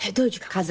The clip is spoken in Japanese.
「風」。